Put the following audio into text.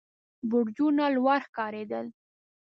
برجونه لوړ ښکارېدل.